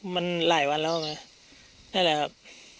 มันหลายวันแล้วไงนั่นแหละครับ